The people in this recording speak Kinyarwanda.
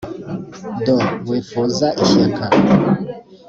do wifuza ishyaka